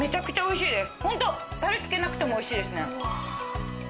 ホントタレつけなくてもおいしいですね。